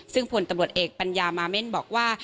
ซึ่งผลตำรวจเอกปัญญามาเม่นบอกว่า